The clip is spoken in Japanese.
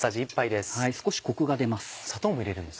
少しコクが出ます。